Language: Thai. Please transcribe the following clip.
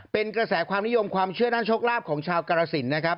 เป็นกระแสความนิยมความเชื่อด้านโชคลาภของชาวกรสินนะครับ